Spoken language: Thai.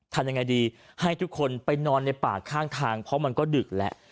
ทำยังไงดีให้ทุกคนไปนอนในป่าข้างทางเพราะมันก็ดึกแหละ